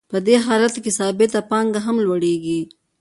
په دې حالت کې ثابته پانګه هم لوړېږي